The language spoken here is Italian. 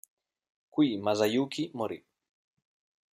Qui Masayuki morì.